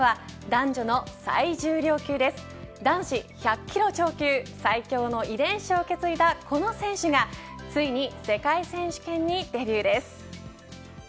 男子１００キロ超級最強の遺伝子を受け継いだこの選手がついに世界選手権にデビューです。